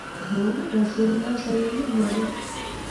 هو، راځئ یو ځای یی لولو